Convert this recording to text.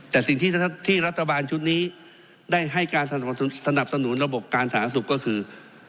แต่สิ่งที่รัฐบาลชุดนี้ได้ให้การสนับสนุนระบบการสาธารณสุขก็คือ